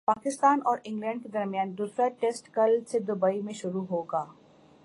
پاکستان اور انگلینڈ کے درمیان دوسرا ٹیسٹ کل سے دبئی میں شروع ہوگا